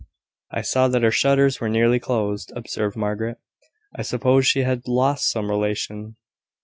"I saw that her shutters were nearly closed," observed Margaret. "I supposed she had lost some relation."